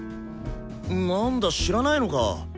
なんだ知らないのか。